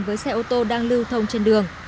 và hai ô tô đang lưu thông trên đường